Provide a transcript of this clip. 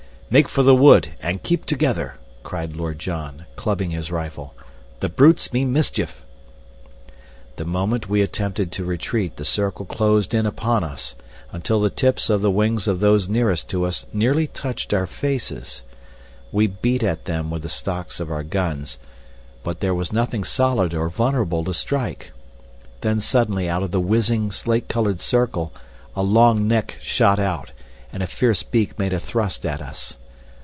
"Make for the wood and keep together," cried Lord John, clubbing his rifle. "The brutes mean mischief." The moment we attempted to retreat the circle closed in upon us, until the tips of the wings of those nearest to us nearly touched our faces. We beat at them with the stocks of our guns, but there was nothing solid or vulnerable to strike. Then suddenly out of the whizzing, slate colored circle a long neck shot out, and a fierce beak made a thrust at us.